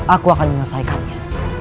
aku akan mengesahkannya